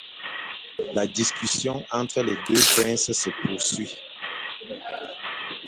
La discussion entre les deux princes se poursuit.